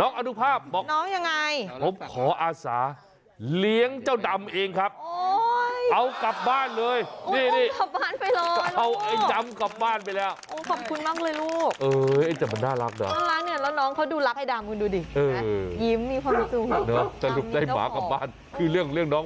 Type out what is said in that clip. น้องอนุภาพบอกผมขาวอาสาเหรียงเจ้าดำเองครับเนี่ยน้องอ